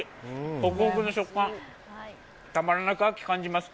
ホクホクの食感、たまらなく秋、感じます。